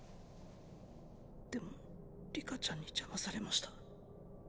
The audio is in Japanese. でも里香ちゃんに邪魔されました。